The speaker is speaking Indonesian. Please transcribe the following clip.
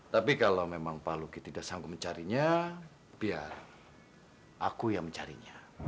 tapi kalau memang pak lucky tidak sanggup mencarinya biar aku yang mencarinya